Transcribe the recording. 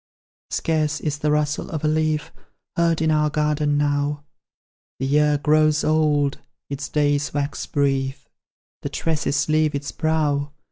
"Scarce is the rustle of a leaf Heard in our garden now; The year grows old, its days wax brief, The tresses leave its brow.